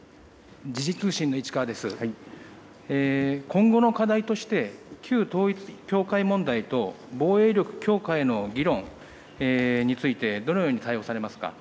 今後の課題として、旧統一教会問題と、防衛力強化への議論について、どのように対応されますか。